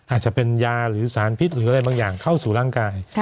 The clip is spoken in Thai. อาจจะเป็นยาหรือสารพิษหรืออะไรบางอย่างเข้าสู่ร่างกาย